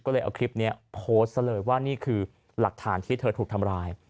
ก็เลยเอาคลิปนี้โพสต์ซะเลยว่านี่คือหลักฐานที่เธอถูกทำร้าย